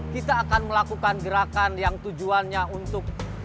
kita akan melakukan gerakan yang tujuannya untuk